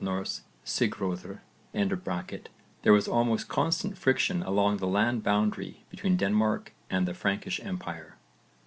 Sigröðr), there was almost constant friction along the land boundary between Denmark and the Frankish empire.